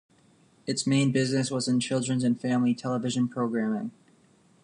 Its main business was in children's and family television programming.